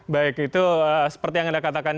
baik itu seperti yang anda katakan